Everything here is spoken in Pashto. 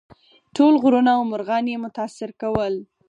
ټول غرونه او مرغان یې متاثر کول.